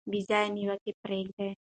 بې ځایه نیوکې پریږدئ.